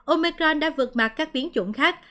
omicron đã vượt mặt các biến chủng khác